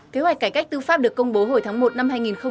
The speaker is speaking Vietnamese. kế hoạch cải cách tư pháp được công bố hồi tháng một năm hai nghìn hai mươi